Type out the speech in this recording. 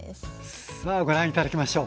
さあご覧頂きましょう。